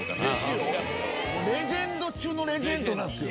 レジェンド中のレジェンドなんですよ。